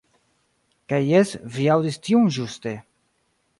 Kaj jes vi aŭdis tiun ĵuste.